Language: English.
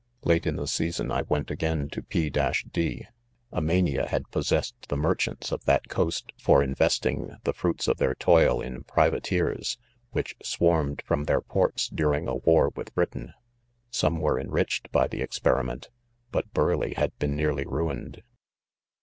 Late in the season I went again to ?— d. A mania had possessed the merchants of that coast, for investing the fruits of their : toil in privateers, which swarm ed from their ports during 1 a war with Britain. Some were enriched by the experiment 5 but Burleigh had been nearly ruined.